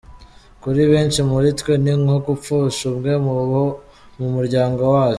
Kuri benshi muri twe, ni nko gupfusha umwe mu bo mu muryango wacu.